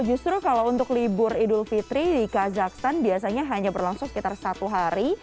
justru kalau untuk libur idul fitri di kazakhstan biasanya hanya berlangsung sekitar satu hari